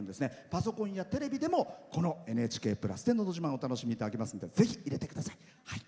パソコンやテレビでも「ＮＨＫプラス」で「のど自慢」をお楽しみいただけますのでぜひ入れてください。